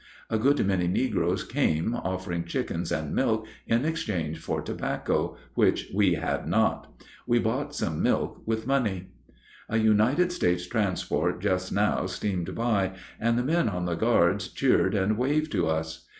A good many negroes came offering chickens and milk in exchange for tobacco, which we had not. We bought some milk with money. A United States transport just now steamed by, and the men on the guards cheered and waved to us.